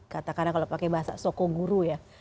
katakanlah kalau pakai bahasa sokoguru ya